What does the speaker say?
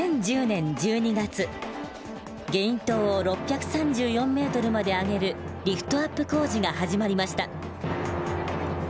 ゲイン塔を６３４ｍまで上げるリフトアップ工事が始まりました。